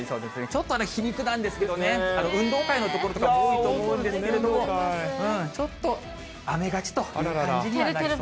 ちょっとね、皮肉なんですけれどもね、運動会のところとかも多いと思うんですけれども、ちょっと雨がちという感じにはなりそうです。